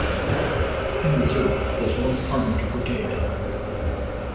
In reserve was one armored brigade.